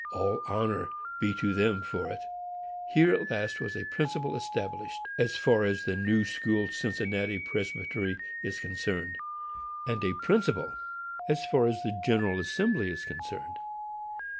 All honor be to them for it! Here, at least, was a principle established, as far as the New School Cincinnati Presbytery is concerned,—and a principle as far as the General Assembly is concerned.